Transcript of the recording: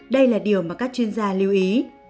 đây là điều mà các chuyên gia lưu ý